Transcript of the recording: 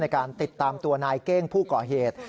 ในการติดตามตัวนายเก้งผู้ก่อเหตุ